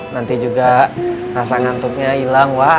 nanti juga rasa ngantuknya hilang pak